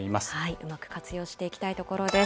うまく活用していきたいところです。